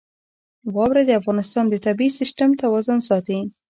واوره د افغانستان د طبعي سیسټم توازن ساتي.